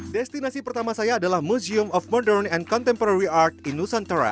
destinasi pertama saya adalah museum of modern and contemporary art in nusantara